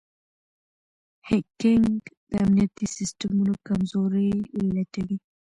هیکنګ د امنیتي سیسټمونو کمزورۍ لټوي.